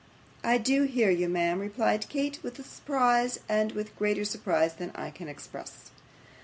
'I do hear you, ma'am,' replied Kate, 'with surprise with greater surprise than I can express.